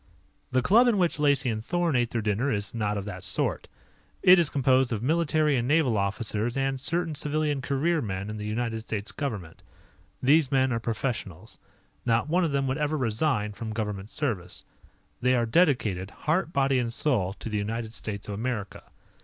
The club in which Lacey and Thorn ate their dinner is not of that sort. It is composed of military and naval officers and certain civilian career men in the United States Government. These men are professionals. Not one of them would ever resign from government service. They are dedicated, heart, body, and soul to the United States of America.